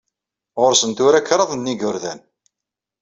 Ɣur-sen tura kraḍ n igerdan.